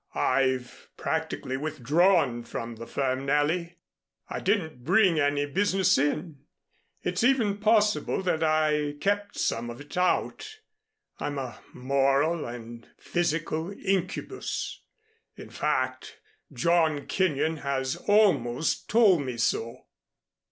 "I've practically withdrawn from the firm, Nellie. I didn't bring any business in. It's even possible that I kept some of it out. I'm a moral and physical incubus. In fact, John Kenyon has almost told me so."